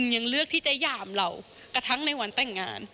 มันจะหย่ามเรากระทั้งในวันแต่งงาน